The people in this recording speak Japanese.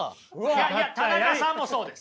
いやいや田中さんもそうです！